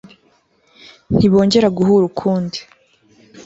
ntibongera guhura ukundi